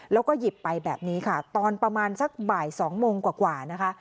แล้วก็หยิบไปแบบนี้ค่ะตอนประมาณสักบ่าย๒โมงกว่านะคะ